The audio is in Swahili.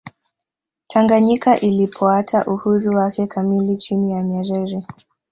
tanganyika ilipoata uhuru wake kamili chini ya nyerere